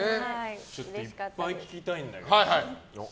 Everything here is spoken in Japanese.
ちょっといっぱい聞きたいんだけど。